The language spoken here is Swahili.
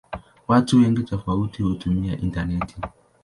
Watu wengi tofauti hutumia intaneti.